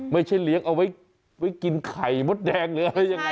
ไม่ใช่เลี้ยงเอาไว้กินไข่มดแดงหรืออะไรยังไง